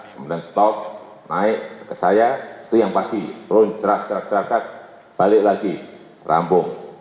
kemudian stop naik ke saya setiap pagi terus cerak cerak cerak balik lagi rambung